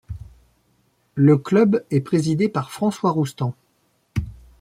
Le club est présidé par François Roustan.